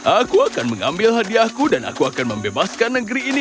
aku akan mengambil hadiahku dan aku akan membebaskan negeri ini